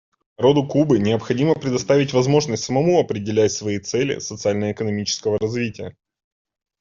Народу Кубы необходимо предоставить возможность самому определять свои цели социально-экономического развития.